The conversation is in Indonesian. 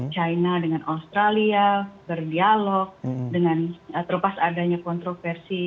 china dengan australia berdialog dengan terlepas adanya kontroversi